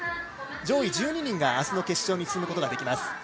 上位１２人があすの決勝に進むことができます。